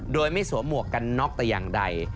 โดยไม่สวมหมวกกันน็อกแต่อย่างใด